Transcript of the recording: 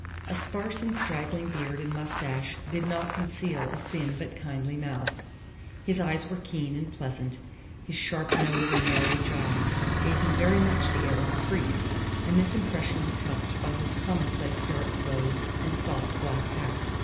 A sparse and straggling beard and mustache did not conceal a thin but kindly mouth; his eyes were keen and pleasant; his sharp nose and narrow jaw gave him very much the air of a priest, and this impression was helped by his commonplace dark clothes and soft black hat.